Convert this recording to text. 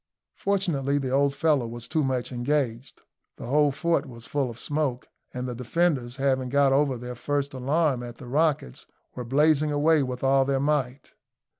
Fortunately the old fellow was too much engaged. The whole fort was full of smoke, and the defenders, having got over their first alarm at the rockets, were blazing away with all their might.